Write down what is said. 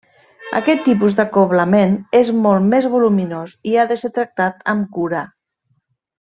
Aquest tipus d'acoblament és molt més voluminós i ha de ser tractat amb cura.